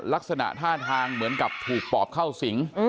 ลักษณะท่าทางเหมือนกับถูกปอบเข้าสิง